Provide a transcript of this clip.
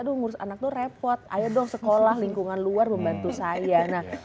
aduh ngurus anak tuh repot ayo dong sekolah lingkungan luar membantu saya